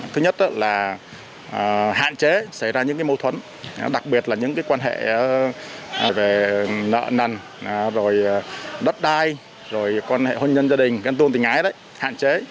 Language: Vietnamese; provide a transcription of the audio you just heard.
đề nghị là hạn chế xảy ra những mâu thuẫn đặc biệt là những quan hệ về nợ nằn đất đai quan hệ hôn nhân gia đình gắn tuôn tình ái hạn chế